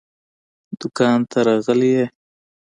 دوکان ته راغلی يې؟